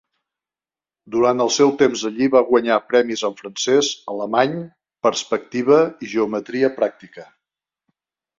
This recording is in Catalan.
Durant el seu temps allí, va guanyar premis en francès, alemany, perspectiva i geometria pràctica.